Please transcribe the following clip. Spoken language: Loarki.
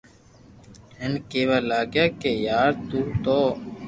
ھين ڪي ڪيوا لاگيو ڪي يار تو تو